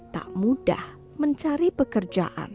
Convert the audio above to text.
tak mudah mencari pekerjaan